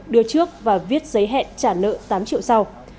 đưa trước và viết giấy hẹn trả nợ tám triệu sau